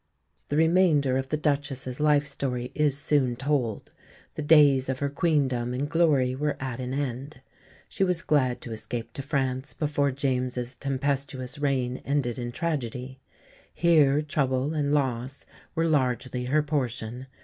'" The remainder of the Duchess's life story is soon told. The days of her queendom and glory were at an end. She was glad to escape to France before James's tempestuous reign ended in tragedy. Here trouble and loss were largely her portion.